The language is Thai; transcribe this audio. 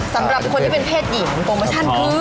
สำหรับคนที่เป็นเพศหญิงโปรโมชั่นคือ